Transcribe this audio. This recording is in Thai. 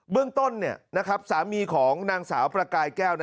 เบื้องต้นนะครับสามีของนางสาวประกายแก้วนะ